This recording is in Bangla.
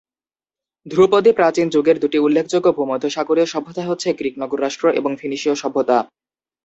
ধ্রুপদী প্রাচীন যুগের দুটি উল্লেখযোগ্য ভূমধ্যসাগরীয় সভ্যতা হচ্ছে গ্রীক নগর রাষ্ট্র এবং ফিনিশীয় সভ্যতা।